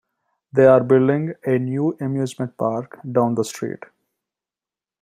They're building a new amusement park down the street.